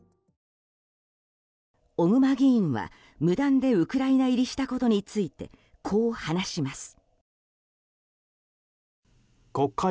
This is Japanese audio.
小熊議員は無断でウクライナ入りしたことについてこう話します。